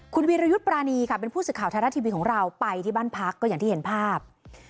คุณวีรยุทธ์ปรานีค่ะเป็นผู้สื่อข่าวไทยรัฐทีวีของเราไปที่บ้านพักก็อย่างที่เห็นภาพ